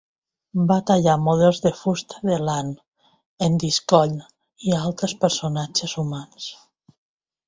"Va tallar models de fusta de l'Ann, en Driscoll i altres personatges humans."